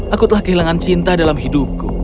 aku telah kehilangan cinta dalam hidupku